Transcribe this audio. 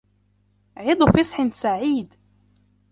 عيد فِصح سعيد!